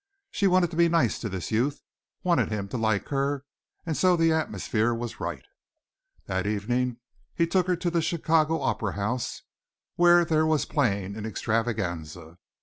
She wanted to be nice to this youth wanted him to like her and so the atmosphere was right. That evening he took her to the Chicago Opera House, where there was playing an extravaganza.